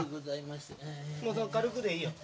もう軽くでいいよ。